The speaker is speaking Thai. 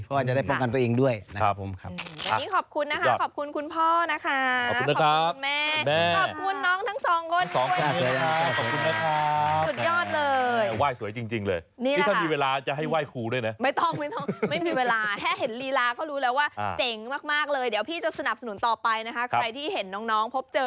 เพราะแน่ตอน